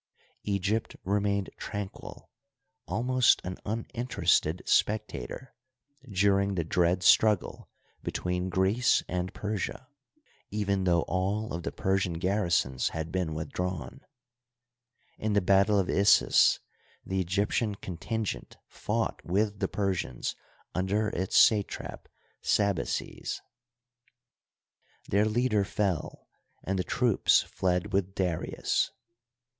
Egypt remained tranquil, al most an uninterested spectator, during the dread struggle between Greece and Persia, even though all of the Persian garrisons had been withdrawn. In the battle of Issus the Egyptian contingent fought with the Persians under its Digitized byCjOOQlC 156 HISTORY OF EGYPT, satrap Sabaces. Their leader fell, and the troops fled with Darius.